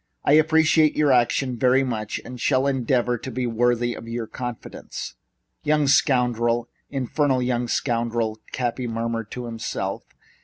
I appreciate your action very, very much and shall endeavor to be worthy of your confidence." "Young scoundrel! In fer nal young scoundrel!" Cappy murmured to himself.